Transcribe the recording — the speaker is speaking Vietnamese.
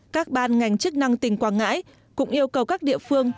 các ban ngành chức năng tỉnh quảng ngãi cũng yêu cầu các địa phương